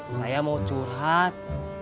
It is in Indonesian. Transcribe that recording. saya mau curhat